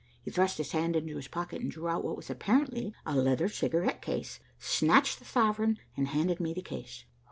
He thrust his hand into his pocket, and drew out what was apparently a leather cigarette case, snatched the sovereign, and handed me the case.